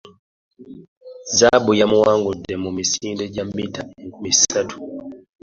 Zzaabu yamuwangudde mu misinde gya mita enkumi ssatu.